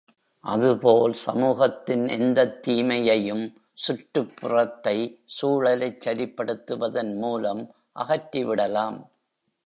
அதுபோல் சமூகத்தின் எந்தத் தீமையையும் சுற்றுப் புறத்தை சூழலைச் சரிப்படுத்துவதன் மூலம் அகற்றி விடலாம்.